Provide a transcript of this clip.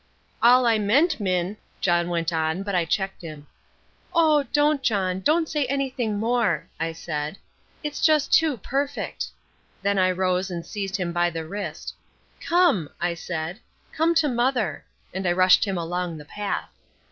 "All I meant, Minn " John went on, but I checked him. "Oh, don't, John, don't say anything more," I said. "It's just too perfect." Then I rose and seized him by the wrist. "Come," I said, "come to Mother," and I rushed him along the path.